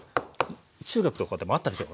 中学とかでもあったでしょ。